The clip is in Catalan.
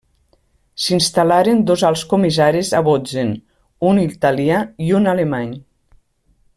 S'hi instal·laren dos alts comissaris a Bozen, un italià i un alemany.